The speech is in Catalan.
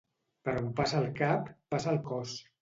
Per on passa el cap, passa el cos.